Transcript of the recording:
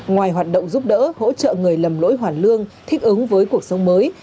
ngoài hoạt động giúp đỡ hỗ trợ người lầm lỗi hoàn lương thích ứng với cuộc sống mới